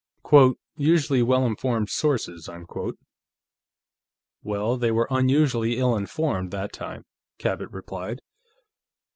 "Quote, usually well informed sources, unquote." "Well, they were unusually ill informed, that time," Cabot replied.